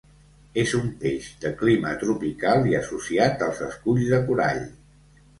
És un peix de clima tropical i associat als esculls de corall.